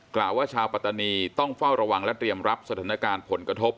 กล่าวว่าชาวปัตตานีต้องเฝ้าระวังและเตรียมรับสถานการณ์ผลกระทบ